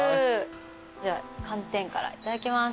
じゃあ寒天からいただきます。